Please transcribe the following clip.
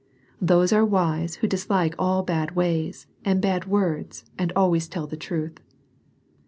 Those are wise who dislike all bad ways, and bad words, and always tell the truth.